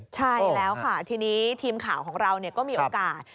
ใช่แล้วค่ะทีนี้ทีมข่าวของเราก็มีโอกาส